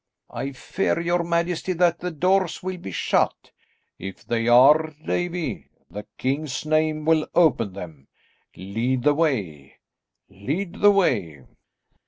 "I fear, your majesty, that the doors will be shut." "If they are, Davie, the king's name will open them. Lead the way; lead the way."